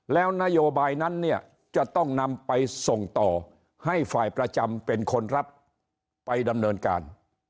แล้วนโยบายนั้นเนี่ยจะต้องนำไปส่งต่อให้ฝ่ายประจำเป็นคนรับไปดำเนินการ